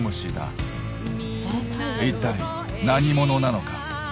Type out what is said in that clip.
一体何者なのか？